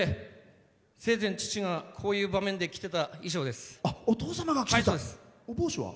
生前、父がこういう場面で着ていたお帽子は？